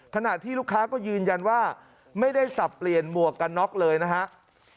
ขณะที่ลูกค้าก็ยืนยันว่าไม่ได้สับเปลี่ยนหมวกกันน็อกเลยนะครับ